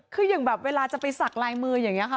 คืออย่างแบบเวลาจะไปสักลายมืออย่างนี้ค่ะ